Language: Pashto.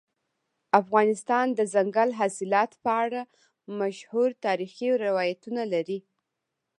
افغانستان د دځنګل حاصلات په اړه مشهور تاریخی روایتونه لري.